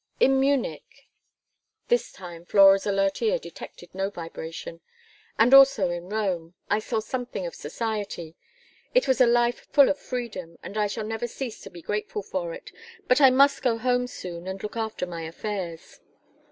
In Munich" this time Flora's alert ear detected no vibration "and also in Rome, I saw something of society. It was a life full of freedom, and I shall never cease to be grateful for it, but I must go home soon and look after my affairs.